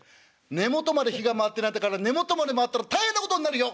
根元まで火が回ってないんだから根元まで回ったら大変なことになるよ！」。